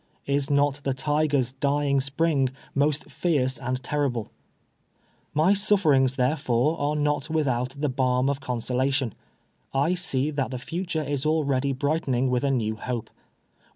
Is not the tiger's dying spring most fierce and terrible ? My sufferings, therefore, are not without the balm of consolation. I see that the future is already brightening with a new hope.